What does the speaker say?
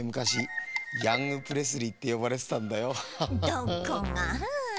どこが？